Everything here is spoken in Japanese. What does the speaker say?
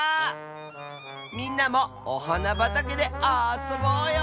みんなもおはなばたけであそぼうよ。